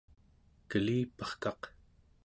keliparkaq